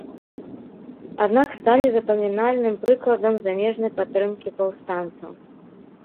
Аднак сталі запамінальным прыкладам замежнай падтрымкі паўстанцаў.